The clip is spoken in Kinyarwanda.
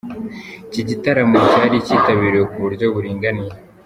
Iki gitaramo cyari kitabiriwe kuburyo buringaniye.